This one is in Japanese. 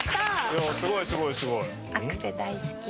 いやすごいすごいすごい。